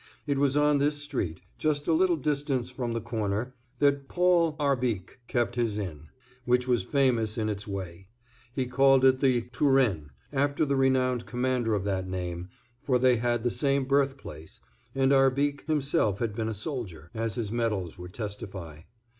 It was on this street, just a little distance from the corner, that Paul Arbique kept his inn, which was famous in its way. He called it The Turenne, after the renowned commander of that name, for they had the same birthplace, and Arbique himself had been a soldier, as his medals would testify.